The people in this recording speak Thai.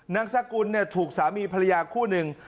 นางสกุลถูกสามีภรรยาคู่หนึ่ง